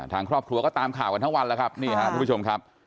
ทางครอบครัวก็ตามข่าวกันทั้งวันแล้วครับนี่ครับทุกผู้ชมครับ